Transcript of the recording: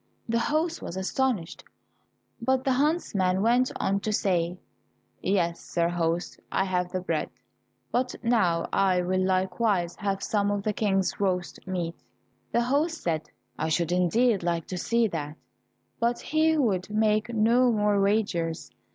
The host was astonished, but the huntsman went on to say, "Yes, sir host, I have the bread, but now I will likewise have some of the King's roast meat." The host said, "I should indeed like to see that," but he would make no more wagers.